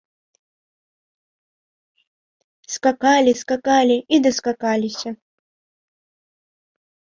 Скакалі, скакалі і даскакаліся.